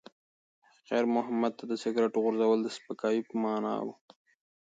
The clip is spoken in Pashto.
خیر محمد ته د سګرټ غورځول د سپکاوي په مانا و.